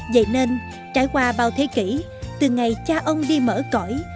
vậy nên trải qua bao thế kỷ từ ngày cha ông đi mở cõi